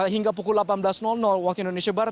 hingga pukul delapan belas waktu indonesia barat